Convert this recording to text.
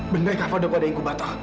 bener kava udah pada ingku batal